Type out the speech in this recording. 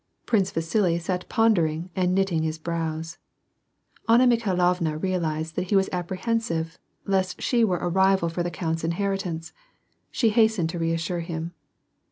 Prince Vasili sat pondering and knitting his brows. Anna Mikhailovna realized that he was apprehensive lest she were a rival for the count's inheritance. IShe hastened to reassure him.